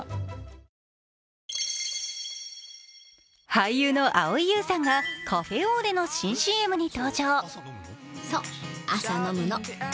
俳優の蒼井優さんが、カフェオーレの新ＣＭに登場。